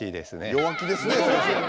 弱気ですね先生。